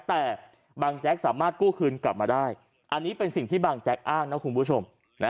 แต่บางแจ๊กสามารถกู้คืนกลับมาได้อันนี้เป็นสิ่งที่บางแจ๊กอ้างนะคุณผู้ชม